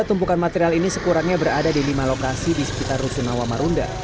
tumpukan material ini sekurangnya berada di lima lokasi di sekitar rusunawa marunda